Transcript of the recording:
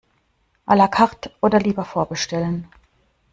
A la carte oder lieber vorbestellen?